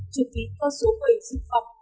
chuẩn bị cơ số bệnh dịch vọng